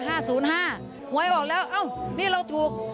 หวยออกแล้วเอ้านี่เราถูก